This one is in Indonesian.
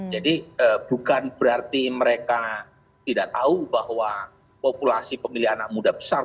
jadi bukan berarti mereka tidak tahu bahwa populasi pemilih anak muda besar